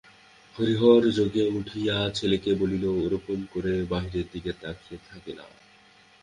হরিহর জাগিয়া উঠিয়া ছেলেকে বলিল, ওরকম করে বাইরের দিকে তাকিয়ে থেকে না।